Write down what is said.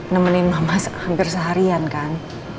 nemenin mama hampir seharian kan